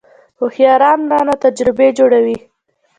هوښیاران رانه تجربې جوړوي .